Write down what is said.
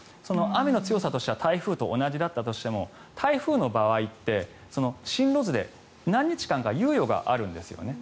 雨の強さとしては台風と同じだったとしても台風の場合って進路図で何日間か猶予があるんですね。